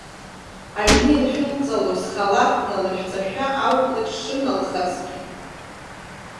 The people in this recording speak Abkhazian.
Аҩны илшәылҵалоз халаҭк налышәҵашәа ауп лыҿшыналхазгьы.